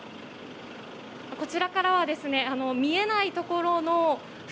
こちらからは見えないところの。